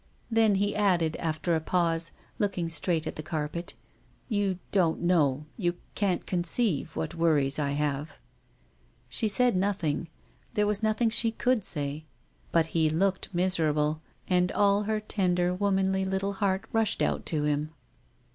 Then he added, after a pause, looking straight at the carpet, " You don't know, you can't conceive, what worries I have !" She said nothing ; there was nothing she could say. But he looked miserable, and all her tender, womanly little heart rushed out to him.